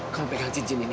kamu pegang cincin ini